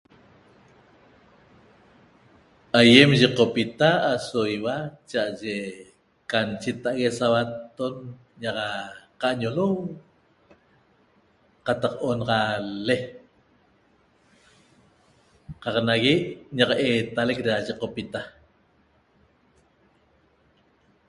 Aýem yiqopita aso ýiua cha'aye can cheta'ague sauatton ñaq qa'añolou qataq onaxaale qaq nagui ñaq eetalec yiqopita